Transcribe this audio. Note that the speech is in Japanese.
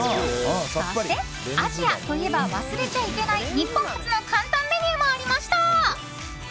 そして、アジアといえば忘れちゃいけない日本発の簡単メニューもありました。